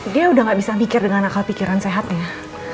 dia udah gak bisa mikir dengan akal pikiran sehatnya